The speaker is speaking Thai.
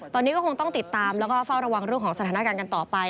ตอนนี้ก็คงต้องติดตามแล้วก็เฝ้าระวังเรื่องของสถานการณ์กันต่อไป